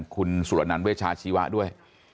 คุณสุรนันเวชาชีวะด้วย